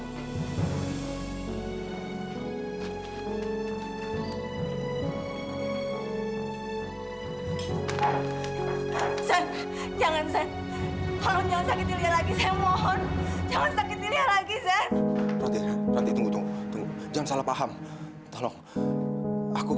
kalian belum lupakan sama aku